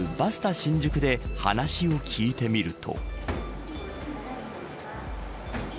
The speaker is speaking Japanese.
新宿で話を聞いてみると。